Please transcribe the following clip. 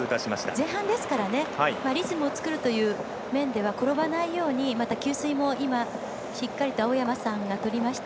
前半ですからリズムを作るという面では転ばないように給水もしっかりと青山さんが取りました。